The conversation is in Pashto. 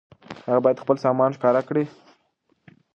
هغه بايد خپل سامان ښکاره کړي.